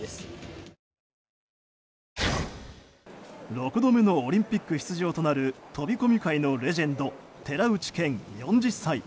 ６度目のオリンピック出場となる飛込界のレジェンド寺内健、４０歳。